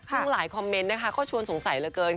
จริงหลายคอมเมนท์นะคะก็ชวนสงสัยเฉพาที่เคียง